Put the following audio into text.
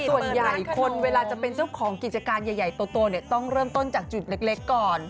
ส่วนใหญ่คนเวลาจะเป็นเจ้าของกิจการใหญ่โตเนี่ยต้องเริ่มต้นจากจุดเล็กก่อน